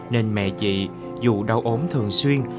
nên mẹ chị dù đau ốm thường xuyên